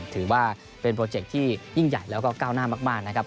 ถือว่าเป็นโปรเจคที่ยิ่งใหญ่แล้วก็ก้าวหน้ามากนะครับ